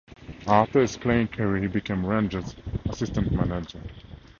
After his playing career he became Rangers' assistant manager.